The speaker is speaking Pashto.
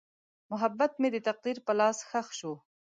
محبت مې د تقدیر په لاس ښخ شو.